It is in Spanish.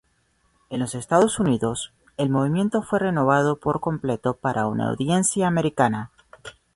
En los Estados Unidos, el Movimiento""fue renovado por completo para una audiencia americana.